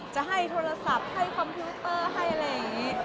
จะให้โทรศัพท์ให้คอมพิวเตอร์ให้อะไรอย่างนี้